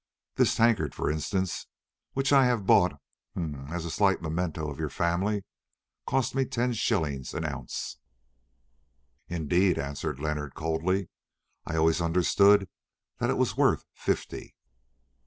This tankard, for instance, which I have bought—hem—as a slight memento of your family, cost me ten shillings an ounce." "Indeed!" answered Leonard coldly; "I always understood that it was worth fifty."